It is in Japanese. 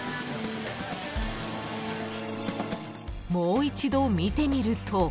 ［もう一度見てみると］